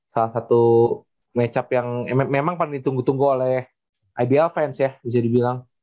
salah satu match up yang memang paling ditunggu tunggu oleh ibl fans ya bisa dibilang